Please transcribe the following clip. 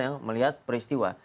yang melihat peristiwa